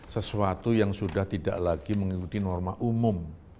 sesuatu yang sudah tidak lagi mengikuti norma umum